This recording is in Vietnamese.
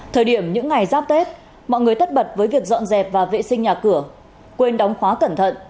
thời điểm những ngày giáp tết mọi người tất bật với việc dọn dẹp và vệ sinh nhà cửa quên đóng khóa cẩn thận